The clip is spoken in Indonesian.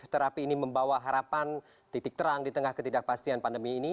terapi ini membawa harapan titik terang di tengah ketidakpastian pandemi ini